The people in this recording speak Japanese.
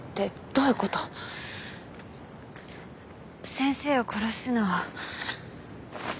先生を殺すのを。